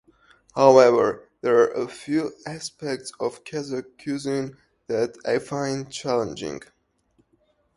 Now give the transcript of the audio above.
However, there are a few aspects of Kazakh cuisine that I find challenging.